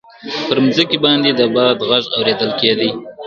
پر مځکي باندي د باد غږ اورېدل کېدی.